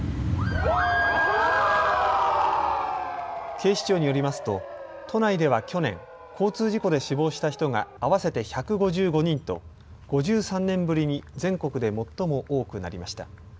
警視庁によりますと都内では去年、交通事故で死亡した人が合わせて１５５人と５３年ぶりに全国で最も多くなりました。